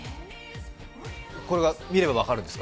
これは見れば分かるんですか？